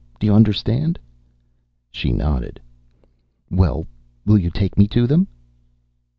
Do you understand?" She nodded. "Well, will you take me to them?"